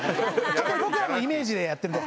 勝手に僕らのイメージでやってるんで。